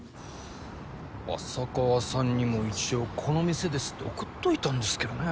浅川さんにも一応この店ですって送っといたんですけどね。